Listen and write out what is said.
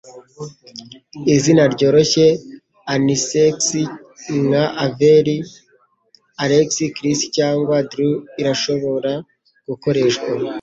Izina ryoroshye unisex nka Avery, Alex, Chris cyangwa Drew, irashobora gukoreshwa.